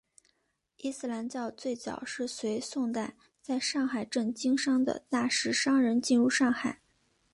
伊斯兰教最早是随宋代在上海镇经商的大食商人进入上海。